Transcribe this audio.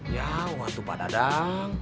ya waduh pak dadang